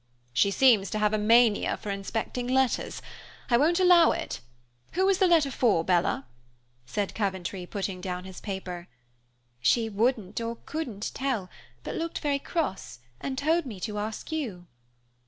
"She seems to have a mania for inspecting letters. I won't allow it. Who was the letter for, Bella?" said Coventry, putting down his paper. "She wouldn't or couldn't tell, but looked very cross and told me to ask you."